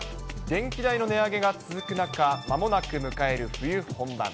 電気代の値上げが続く中、まもなく迎える冬本番。